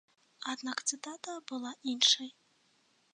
Аднак цытата была іншай!